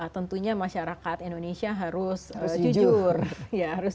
tentunya masyarakat indonesia harus